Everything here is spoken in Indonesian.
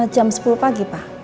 jam sepuluh pagi pak